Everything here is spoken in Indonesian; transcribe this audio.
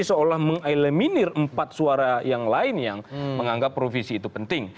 seolah mengeliminir empat suara yang lain yang menganggap provisi itu penting